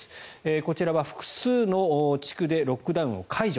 こちらは複数の地区でロックダウンを解除。